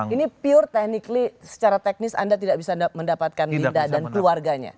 ini pure technically secara teknis anda tidak bisa mendapatkan linda dan keluarganya